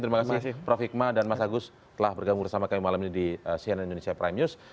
terima kasih prof hikmah dan mas agus telah bergabung bersama kami malam ini di cnn indonesia prime news